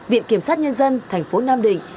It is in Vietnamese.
viện kiểm sát nhân dân thành phố nam định